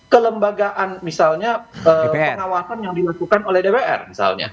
kelembagaan misalnya pengawasan yang dilakukan oleh dpr misalnya